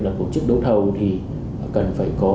một chức đấu thầu thì cần phải có